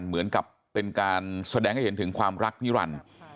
เหมือนกับเป็นการแสดงให้เห็นถึงความรักนิรันดิ์